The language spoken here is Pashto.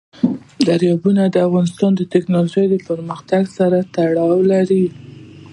دریابونه د افغانستان د تکنالوژۍ پرمختګ سره تړاو لري.